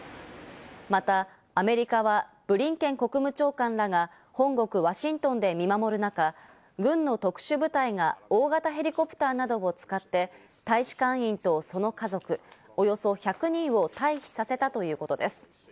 またアメリカはブリンケン国務長官らが本国ワシントンで見守る中、軍の特殊部隊が大型ヘリコプターなどを使って大使館員とその家族およそ１００人を退避させたということです。